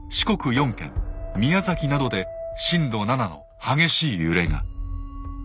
４県宮崎などで震度７の激しい揺れが。